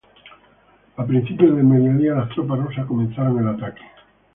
A principios del mediodía las tropas rusas comenzaron el ataque.